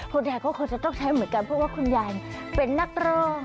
คุณยายก็คงจะต้องใช้เหมือนกันเพราะว่าคุณยายเป็นนักร้อง